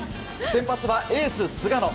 先発はエース、菅野。